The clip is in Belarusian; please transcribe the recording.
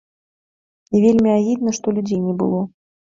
І вельмі агідна, што людзей не было.